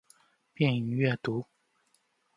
便于阅读